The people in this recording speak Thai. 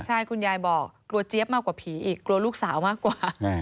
ใช่คุณยายบอกกลัวเจี๊ยบมากกว่าผีอีกกลัวลูกสาวมากกว่า